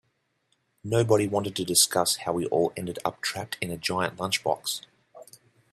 Nobody wanted to discuss how we all ended up trapped in a giant lunchbox.